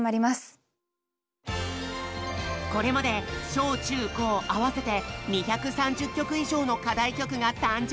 これまで小・中・高合わせて２３０曲以上の課題曲が誕生！